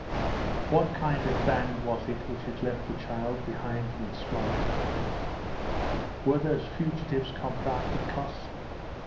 What kind of band was it which had left the child behind in its flight? Were those fugitives Comprachicos?